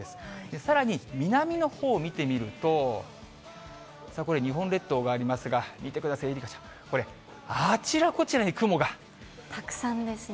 さらに南のほうを見てみると、これ日本列島がありますが、見てください、愛花ちゃん、たくさんですね。